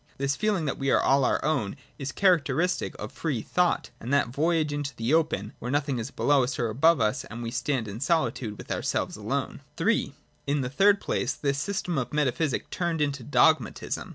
This feeling that we are all our own is characteristic of free thought — of that voyage into the open, where nothing is below us or above us, and we stand in solitude with ourselves alone. 32.] (3) In the third place, this system of metaphysic turned into Dogmatism.